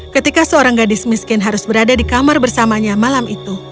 ketika seorang gadis miskin harus berada di kamar bersamanya malam itu